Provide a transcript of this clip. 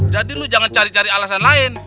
jadi lu jangan cari cari alasan lain